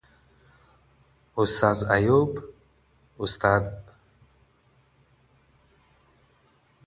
استاد ایوب، استاد قدیم ، حضرت باز استاد